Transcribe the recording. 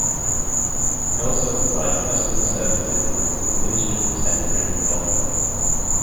It also provides customer services at its administrative centre in Wodonga.